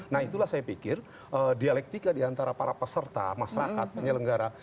nah itulah saya pikir dialektika diantara para peserta masyarakat penyelenggara